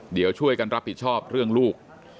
เดี๋ยวช่วยกันรับผิดชอบเรื่องลูก